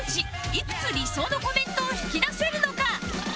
いくつ理想のコメントを引き出せるのか？